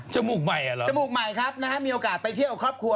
มูกใหม่เหรอจมูกใหม่ครับนะฮะมีโอกาสไปเที่ยวกับครอบครัว